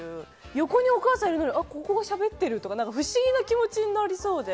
横にお母さんがいるのに、ここがしゃべってるって不思議な気持ちになりそうで。